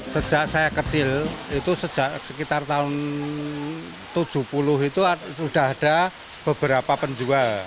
sejak saya kecil itu sekitar tahun tujuh puluh itu sudah ada beberapa penjual